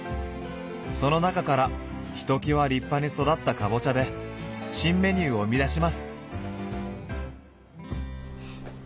その中からひときわ立派に育ったかぼちゃで新メニューを生み出します。